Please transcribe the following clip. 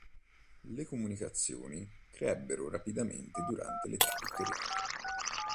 Le comunicazioni crebbero rapidamente durante l'età vittoriana.